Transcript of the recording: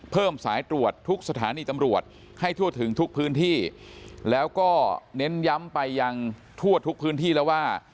สายตรวจทุกสถานีตำรวจให้ทั่วถึงทุกพื้นที่แล้วก็เน้นย้ำไปยังทั่วทุกพื้นที่แล้วว่า